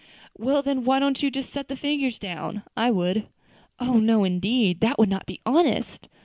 "Well, then, why don't you just set the figures down. I would." "Oh! no, indeed; that would not be honest."